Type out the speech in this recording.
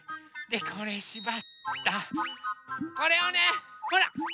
でこれしばったこれをねほら！